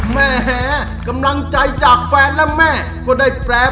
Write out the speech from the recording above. แม่แห่กำลังใจจากแฟนและแม่